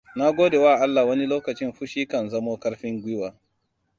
Na godewa Allah wani lokacin fushi kan zamo ƙarfin gwiwa.